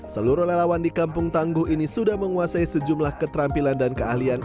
seluruh relawan di kampung tangguh ini sudah menguasai sejumlah keterampilan dan keahlian